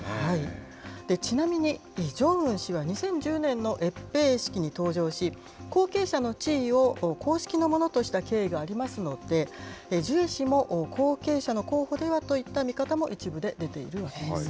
ちなみに、ジョンウン氏は２０１０年の閲兵式に登場し、後継者の地位を公式のものとした経緯がありますので、ジュエ氏も後継者の候補ではといった見方も一部で出ているわけです。